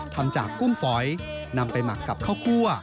ทำจากกุ้งฝอยนำไปหมักกับข้าวคั่ว